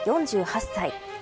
４８歳。